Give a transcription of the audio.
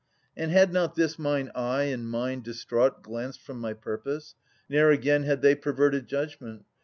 And had not this mine eye and mind distraught Glanced from my purpose, ne'er again had they Perverted judgement.